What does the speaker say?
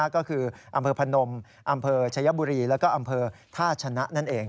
ก็คืออำเภอพนมอำเภอชายบุรีแล้วก็อำเภอท่าชนะนั่นเอง